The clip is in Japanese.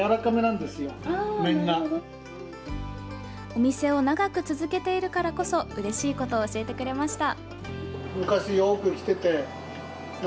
お店を長く続けているからこそうれしいことを教えてくれました。